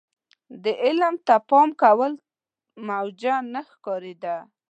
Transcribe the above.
دې علم ته پام کول موجه نه ښکارېده.